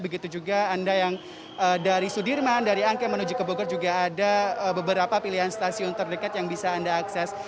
begitu juga anda yang dari sudirman dari angke menuju ke bogor juga ada beberapa pilihan stasiun terdekat yang bisa anda akses